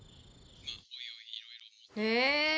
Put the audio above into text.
へえ！